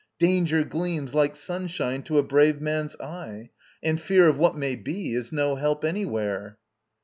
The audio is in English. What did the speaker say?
Danger gleams Like sunshine to a brave man's eyes, and fear Of what may be is no help anywhere.